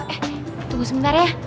eh tunggu sebentar ya